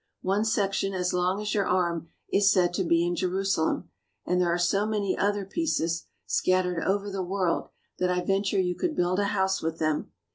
One section as long as your arm is said to be in Jerusalem, and there are so many other pieces scattered over the world that I venture you could build a house with them.